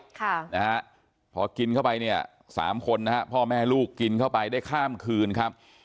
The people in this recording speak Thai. ถุงร้อยพอกินเข้าไป๓คนพ่อแม่ลูกกินเข้าไปได้ข้ามคืนครับ